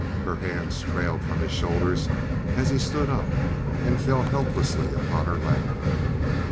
Her hands trailed from his shoulders as he stood up and fell helplessly upon her lap.